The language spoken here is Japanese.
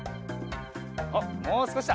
おっもうすこしだ。